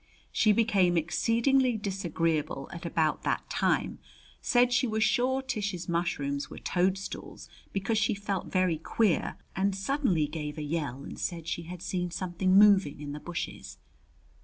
She became exceedingly disagreeable at about that time, said she was sure Tish's mushrooms were toadstools because she felt very queer, and suddenly gave a yell and said she had seen something moving in the bushes.